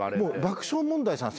爆笑問題さんも。